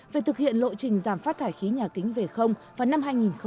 về thực hiện lộ trình giảm phát thải khí nhà kính về không vào năm hai nghìn năm mươi